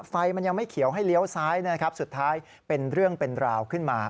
ไฟมันยังไม่เขียวให้เลี้ยวซ้ายนะครับสุดท้ายเป็นเรื่องเป็นราวขึ้นมา